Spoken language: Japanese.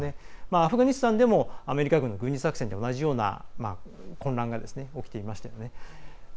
アフガニスタンでもアメリカ軍の軍事作戦と同じような混乱が起きていましたよね。